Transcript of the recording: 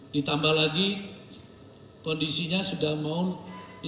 ditambah lagi kondisinya sudah mau di